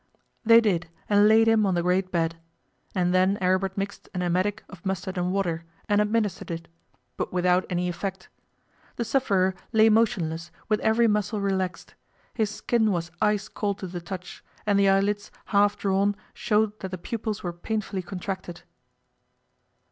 They did, and laid him on the great bed; and then Aribert mixed an emetic of mustard and water, and administered it, but without any effect. The sufferer lay motionless, with every muscle relaxed. His skin was ice cold to the touch, and the eyelids, half drawn, showed that the pupils were painfully contracted.